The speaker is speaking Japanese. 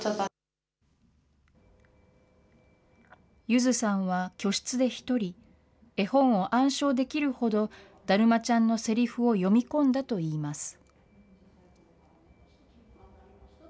ゆずさんは居室で一人、絵本を暗唱できるほど、だるまちゃんのセリフを読み込んだといいます。